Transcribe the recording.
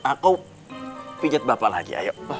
aku pijat bapak lagi